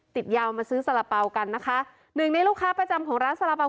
ติดยาวมาซื้อสาระเป๋ากันนะคะหนึ่งในลูกค้าประจำของร้านสาระเป๋า